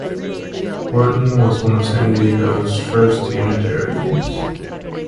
Horton was one of San Diego's first Unitarians.